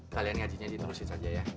kalian ngajinya diterusin saja ya